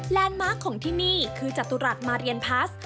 มาร์คของที่นี่คือจตุรัสมาเรียนพลัส